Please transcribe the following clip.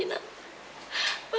apa yang terjadi nak